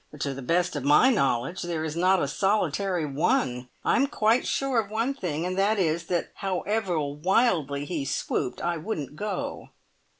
"To the best of my knowledge there is not a solitary one. I'm quite sure of one thing, and that is, that however wildly he swooped, I wouldn't go!"